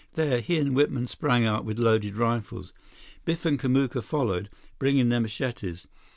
There, he and Whitman sprang out with loaded rifles. Biff and Kamuka followed, bringing their machetes.